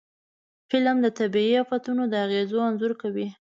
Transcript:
فلم د طبعي آفتونو د اغېزو انځور کوي